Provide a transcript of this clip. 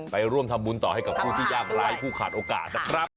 ไปร่วมทำบุญต่อให้กับผู้ที่ยากร้ายผู้ขาดโอกาสนะครับ